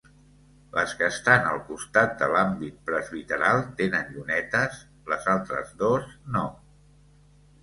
Les que estan al costat de l'àmbit presbiteral tenen llunetes les altres dos no.